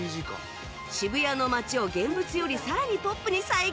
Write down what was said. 渋谷の街を現物よりさらにポップに再現